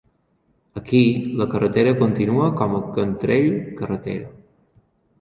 Aquí, la carretera continua com Cantrell carretera.